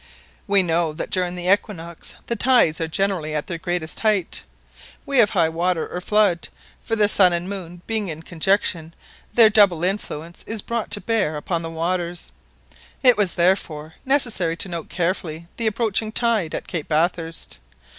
We know that during the equinox the tides are generally at their greatest height; we have high water or flood, for the sun and moon being in conjunction, their double influence is brought to bear upon the waters. It was, therefore, necessary to note carefully the approaching tide at Cape Bathurst.